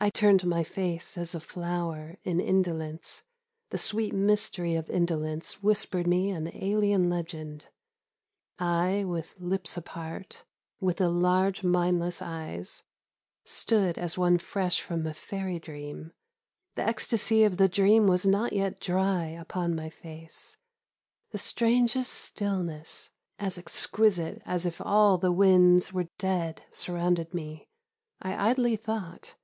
I turned my face as a flower, In indolence : the sweet mystery of indolence Whispered me an alien legend I, with lips apart, With the large mindless eyes, stood As one fresh from a fairy dream : The ecstacy of the dream was not yet dry On my face. The strangest stillness. As exquisite as if all the winds Were dead, surrounded me ; I idly thought.